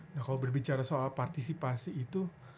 nah kalau berbicara soal partisipasi itu